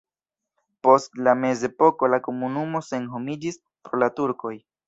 Post la mezepoko la komunumo senhomiĝis pro la turkoj.